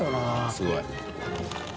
すごい。